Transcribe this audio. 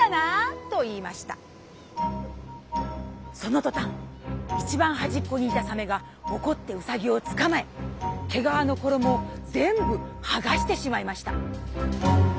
そのとたんいちばんはじっこにいたサメがおこってうさぎをつかまえ毛がわのころもをぜんぶはがしてしまいました」。